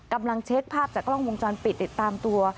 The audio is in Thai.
กำลังเช็คภาพจากกล้องวงจรปิดติดตามตัว